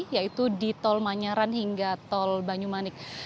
yaitu di tol manyaran hingga tol banyumanik